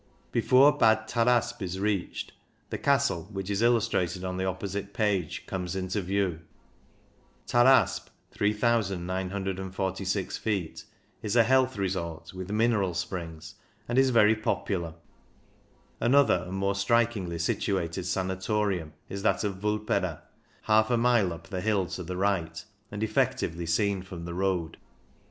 Before Bad Tarasp is reached, the castle, which is illus trated on the opposite page comes into view. Tarasp (3,946 ft) is a health resort with mineral springs, and is very popular. Another and more strikingly situated sana torium is that of Vulpera, half a mile up 174 CYCLING IN THE ALPS the hill to the right, and effectively seen from the road.